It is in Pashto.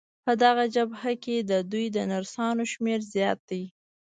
په دغه جبهه کې د دوی د نرسانو شمېر زیات دی.